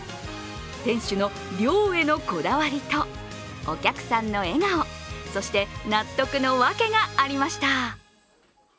店主の量へのこだわりとお客さんの笑顔、そして納得のワケがありました。